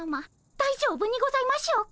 大丈夫にございましょうか？